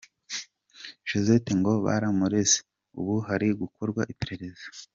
Josette ngo baramureze, ubu hari gukorwa iperereza.